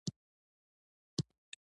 هغه تیمورشاه ته د یوه ځوان په سترګه کتل.